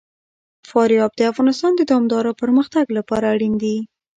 فاریاب د افغانستان د دوامداره پرمختګ لپاره اړین دي.